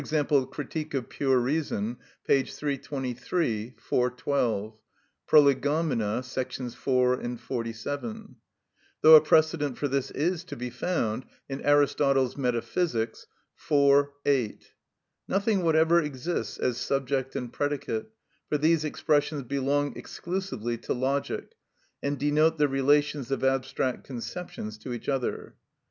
_, Critique of Pure Reason, p. 323; V. 412; Prolegomena, § 4 and 47); though a precedent for this is to be found in Aristotle's "Metaphysics," iv. ch. 8. Nothing whatever exists as subject and predicate, for these expressions belong exclusively to logic, and denote the relations of abstract conceptions to each other.